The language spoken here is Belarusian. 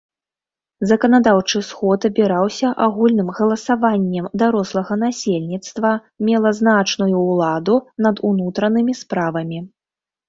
Заканадаўчы сход абіраўся агульным галасаваннем дарослага насельніцтва, мела значную ўладу над унутранымі справамі.